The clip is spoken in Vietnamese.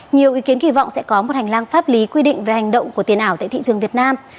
nhiều ý kiến kỳ vọng sẽ có một hành lang pháp lý quy định về hành động của tiền ảo tại thị trường việt nam